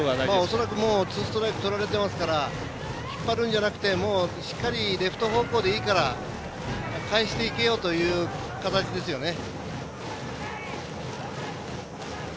恐らくツーストライクとられてますから引っ張るんじゃなくてしっかりレフト方向でいいから返していけよという形ですよね。